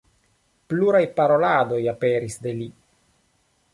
Pluraj paroladoj aperis de li.